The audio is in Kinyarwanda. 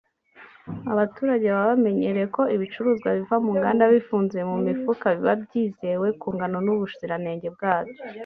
Abaturage baba bamenyereye ko ibicuruzwa biva mu nganda bifunzwe mu mifuka biba byizewe ku ngano n’ubuziranenge bwabyo